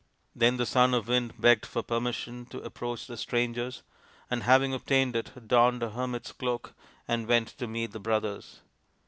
Then the Son of the Wind begged for permission to approach the strangers, and, having obtained it, donned a hermit's cloak and went to meet the brothers.